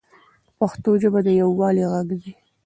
پښتو ژبه د یووالي ږغ دی.